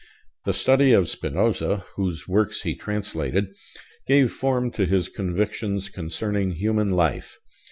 The study of Spinoza (whose works he translated) gave form to his convictions concerning human life.